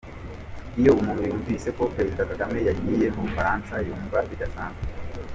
Iyo umuntu yumvise ko Perezida Kagame yagiye mu bufaransa yumva bidasanzwe .